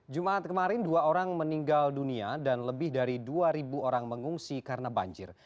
jumat kemarin dua orang meninggal dunia dan lebih dari dua orang mengungsi karena banjir